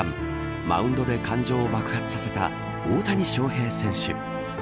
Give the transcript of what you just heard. マウンドで感情を爆発させた大谷翔平選手。